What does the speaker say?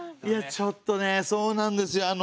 いやちょっとねそうなんですよ。